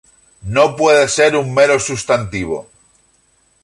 No puede ser un mero sustantivo.